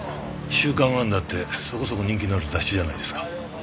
『週刊ワンダー』ってそこそこ人気のある雑誌じゃないですか。